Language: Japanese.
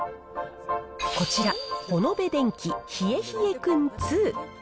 こちら、ホノベ電機ひえひえくん２。